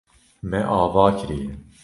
Me ava kiriye.